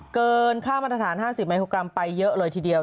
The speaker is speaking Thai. เกินค่ามาตรฐาน๕๐มิโครกรัมไปเยอะเลยทีเดียว